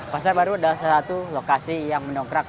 pasar baru adalah salah satu lokasi yang mendongkrak